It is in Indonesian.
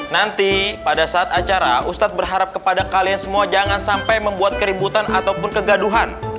nanti pada saat acara ustadz berharap kepada kalian semua jangan sampai membuat keributan ataupun kegaduhan